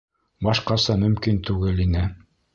Башҡаса мөмкин түгел ине.